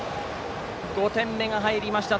５点目が入りました。